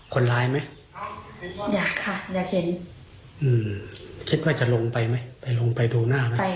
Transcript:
คิดว่าจะลงไปไหมลงไปดูหน้าไหม